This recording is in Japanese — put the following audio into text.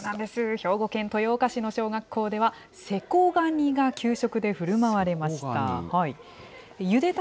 兵庫県豊岡市の小学校では、セコガニが給食でふるまわれました。